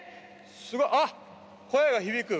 すごいあっ声が響く。